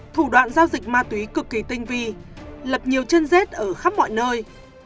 thủ đoạn giao dịch ma túy cực kỳ tinh vi lập nhiều chân rết ở khắp mọi nơi